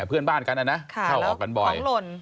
เพื่อนบ้านกันนะนะเข้าออกกันบ่อย